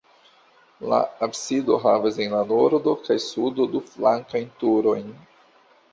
La absido havas en la nordo kaj sudo du flankajn turojn.